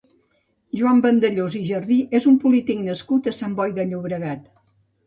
Joan Vandellós i Jardí és un polític nascut a Sant Boi de Llobregat.